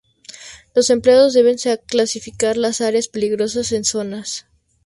Los empleados deben clasificar las áreas peligrosas en zonas.